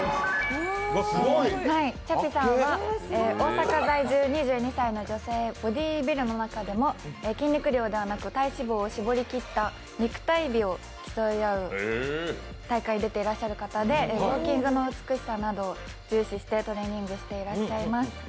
ちゃぴさんは、大阪在住、２２歳の女性、ボディービルの中でも筋肉量ではなくて体脂肪を絞った肉体美を競い合う大会に出てらっしゃる方でウオーキングの美しさを重視してトレーニングしてらっしゃいます。